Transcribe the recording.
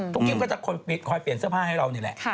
กิ้มก็จะคอยเปลี่ยนเสื้อผ้าให้เรานี่แหละ